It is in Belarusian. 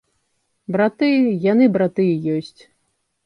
Браты, яны браты і ёсць.